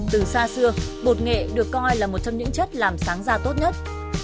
từ xa xưa bột nghệ được coi là một trong những chất làm sáng da tốt nhất